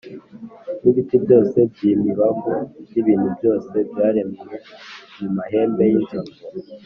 n’ibiti byose by’imibavu n’ibintu byose byaremwe mu mahembe y’inzovu,